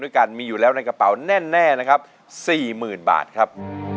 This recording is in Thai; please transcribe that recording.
ด้วยกันมีอยู่แล้วในกระเป๋าแน่นแน่นะครับสี่หมื่นบาทครับ